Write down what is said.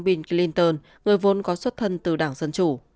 bill clinton người vốn có xuất thân từ đảng dân chủ